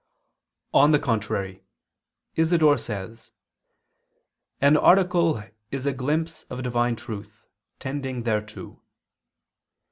On the contrary, Isidore says: "An article is a glimpse of Divine truth, tending thereto."